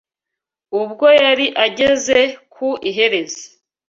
Ubwo yari ageze ku iherezo